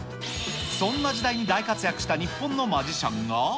そんな時代に大活躍した日本のマジシャンが。